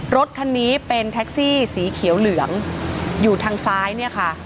รถคันนี้เป็นแท็กซี่สีเขียวเหลืองอยู่ทางซ้ายเนี่ยค่ะ